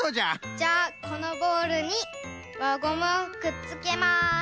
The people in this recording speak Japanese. じゃこのボールにわごむをくっつけます。